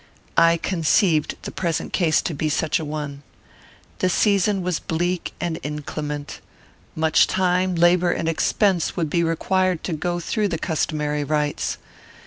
I conceived the present case to be such a one. The season was bleak and inclement. Much time, labour, and expense would be required to go through the customary rites.